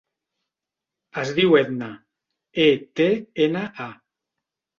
Es diu Etna: e, te, ena, a.